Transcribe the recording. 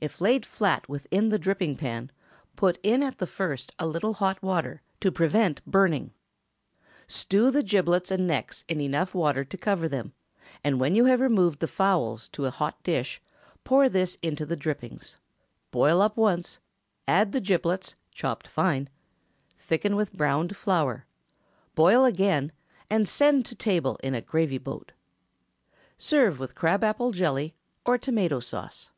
If laid flat within the dripping pan, put in at the first a little hot water to prevent burning. Stew the giblets and necks in enough water to cover them, and, when you have removed the fowls to a hot dish, pour this into the drippings; boil up once; add the giblets, chopped fine; thicken with browned flour; boil again, and send to table in a gravy boat. Serve with crab apple jelly or tomato sauce.